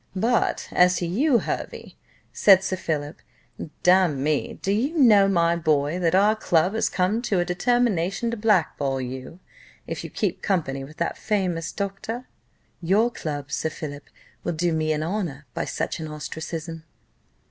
"But as to you, Hervey," said Sir Philip, "damme, do you know, my boy, that our club has come to a determination to black ball you, if you keep company with this famous doctor?" "Your club, Sir Philip, will do me honour by such an ostracism."